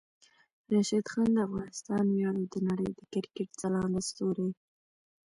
راشد خان د افغانستان ویاړ او د نړۍ د کرکټ ځلانده ستوری